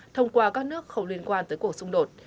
thông qua các nước không liên quan tới cuộc xung đột